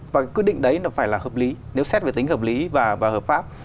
và quyết định đấy nó phải là hợp lý nếu xét về tính hợp lý và hợp pháp